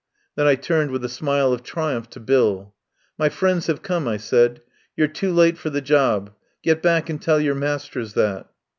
Then I turned with a smile of triumph to Bill. "My friends have come," I said. "You're too late for the job. Get back and tell your masters that."